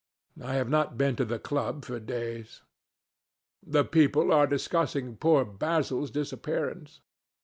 I have not been to the club for days." "The people are still discussing poor Basil's disappearance."